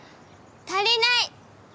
足りない！